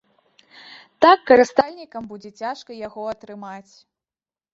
Так карыстальнікам будзе цяжка яго атрымаць.